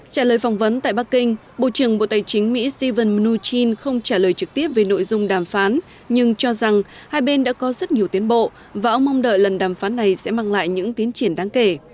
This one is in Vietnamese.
trả lời phỏng vấn tại bắc kinh bộ trưởng bộ tài chính mỹ steven mnuchin không trả lời trực tiếp về nội dung đàm phán nhưng cho rằng hai bên đã có rất nhiều tiến bộ và ông mong đợi lần đàm phán này sẽ mang lại những tiến triển đáng kể